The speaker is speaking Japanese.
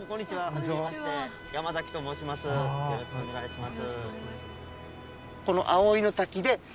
よろしくお願いします。